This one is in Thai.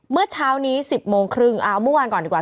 เมื่อเช้านี้๑๐โมงครึ่งเอาเมื่อวานก่อนดีกว่า